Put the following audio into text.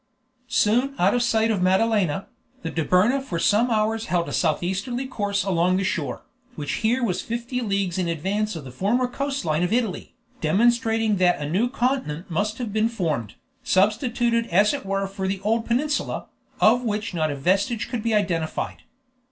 Soon out of sight of Madalena, the Dobryna for some hours held a southeasterly course along the shore, which here was fifty leagues in advance of the former coast line of Italy, demonstrating that a new continent must have been formed, substituted as it were for the old peninsula, of which not a vestige could be identified.